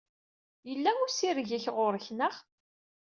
Yella ussireg-ik ɣur-k, naɣ?